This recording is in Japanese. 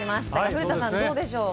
古田さん、どうでしょう。